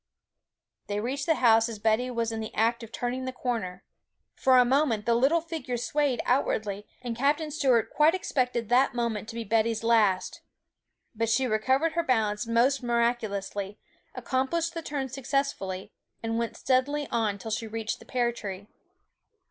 They reached the house as Betty was in the act of turning the corner. For a moment the little figure swayed outwardly, and Captain Stuart quite expected that moment to be Betty's last; but she recovered her balance most miraculously, accomplished the turn successfully, and went steadily on till she reached the pear tree.